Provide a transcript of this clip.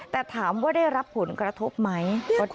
แต่ถามว่าได้รับผลกระทบไหม